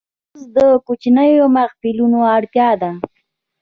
ترموز د کوچنیو محفلونو اړتیا ده.